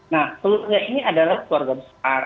nah keluarga ini adalah keluarga besar